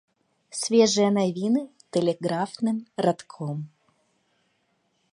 Свежыя навіны тэлеграфным радком.